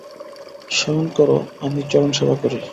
শয়ন কর আমি চরণ সেবা করি।